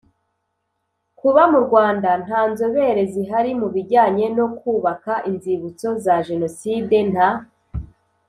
Kuba mu rwanda nta nzobere zihari mu bijyanye no kubaka inzibutso za jenoside nta